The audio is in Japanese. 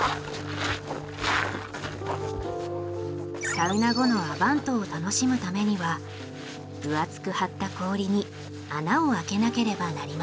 サウナ後のアヴァントを楽しむためには分厚く張った氷に穴をあけなければなりません。